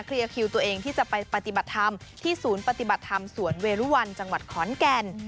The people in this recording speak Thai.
คิวตัวเองที่จะไปปฏิบัติธรรมที่ศูนย์ปฏิบัติธรรมสวนเวรุวันจังหวัดขอนแก่น